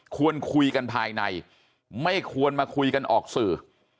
ควรคุยกันภายในไม่ควรมาคุยกันออกสื่อ